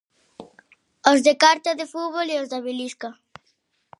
Os de [unintelligible] de fútbol e os de. [unintelligible]